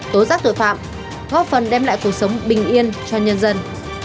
tố giác tội phạm góp phần đem lại cuộc sống bình yên cho nhân dân